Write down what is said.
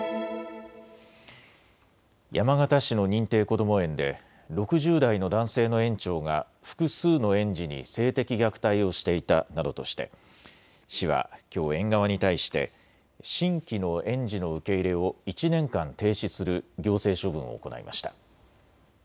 山形市の認定こども園で６０代の男性の園長が複数の園児に性的虐待をしていたなどとして市はきょう、園側に対して新規の園児の受け入れを１年間停止する行政処分を行いました。